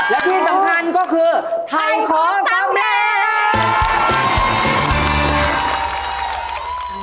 แล้วที่สำคัญก็คือไทยของสำเนิด